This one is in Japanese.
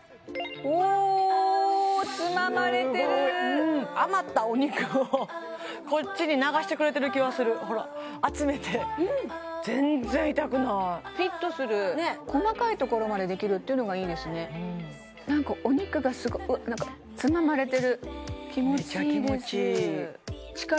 おおすごいうん余ったお肉をこっちに流してくれてる気はするほら集めて全然痛くないフィットする細かいところまでできるっていうのがいいですねなんかお肉がすごいなんかつままれてる気持ちいいです